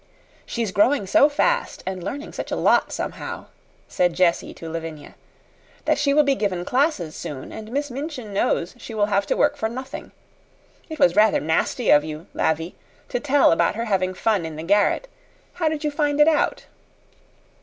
"She's growing so fast and learning such a lot, somehow," said Jessie to Lavinia, "that she will be given classes soon, and Miss Minchin knows she will have to work for nothing. It was rather nasty of you, Lavvy, to tell about her having fun in the garret. How did you find it out?"